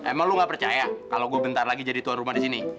emang lo gak percaya kalau gue bentar lagi jadi tuan rumah di sini